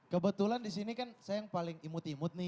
kebetulan disini kan saya yang paling imut imut nih